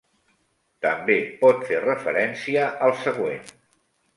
També pot fer referència al següent.